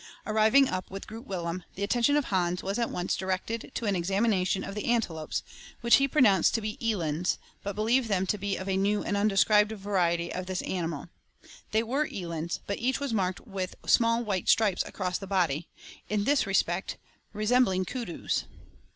Arriving up with Groot Willem, the attention of Hans was at once directed to an examination of the antelopes, which he pronounced to be elands, but believed them to be of a new and undescribed variety of this animal. They were elands; but each was marked with small white stripes across the body, in this respect resembling "koodoos."